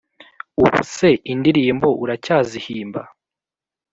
ubu se indirimbo uracyazihimba?